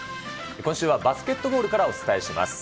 今週はバスケットボールからお伝えします。